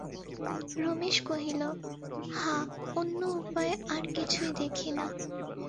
রমেশ কহিল, হাঁ, অন্য উপায় আর কিছুই দেখি না।